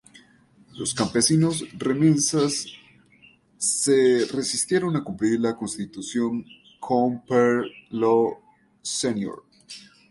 Los campesinos remensas se resistieron a cumplir la constitución "Com per lo senyor".